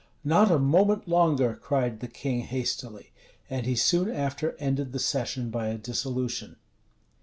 "Not a moment longer," cried the king hastily;[] and he soon after ended the session by a dissolution.